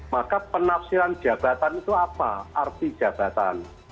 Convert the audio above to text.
maka penafsiran jabatan itu apa arti jabatan